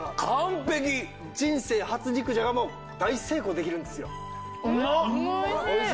人生初肉じゃがも大成功できるんですよ。